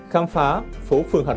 khám phá phố phường hà nội